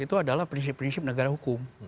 itu adalah prinsip prinsip negara hukum